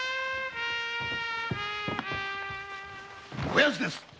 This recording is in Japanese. こやつです